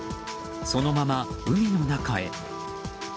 そのまま海の中へ。